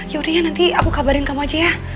yaudah ya nanti aku kabarin kamu aja ya